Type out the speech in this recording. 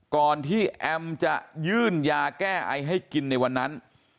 ก่อนที่แอมจะยื่นยาแก้ไอให้กินในวันนั้น